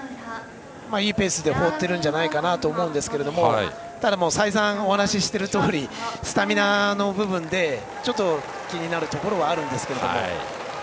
いいペースで放っていると思いますけどただ、再三お話しているとおりスタミナの部分でちょっと気になるところはあるんですけど。